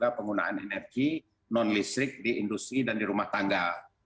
penggunaan energi non listrik di industri dan di rumah tangga